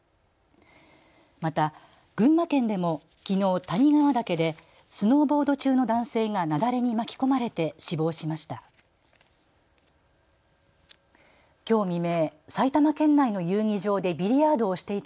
また群馬県でもきのう谷川岳でスノーボード中の男性が雪崩に巻き込まれて死亡しました。